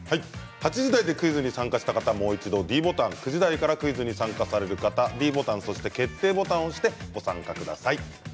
８時台でクイズに参加した人はもう一度ｄボタンを９時台からの人はｄボタンと決定ボタンを押してご参加ください。